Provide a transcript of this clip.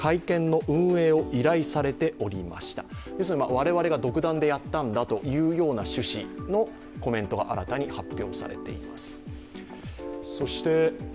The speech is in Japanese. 我々が独断でやったんだというような趣旨のコメントが新たに発表されています。